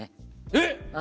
えっ？